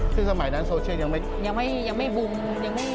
ซึ่งสมัยนั้นโซเชียลยังไม่บุง